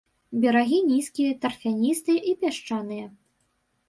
Берагі нізкія, тарфяністыя і пясчаныя.